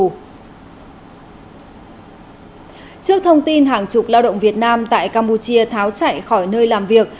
trước thông tin hàng chục lao động việt nam tại campuchia tháo chạy khỏi nơi làm việc